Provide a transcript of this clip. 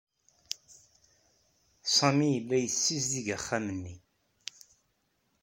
Sami yella yessizdig axxam-nni.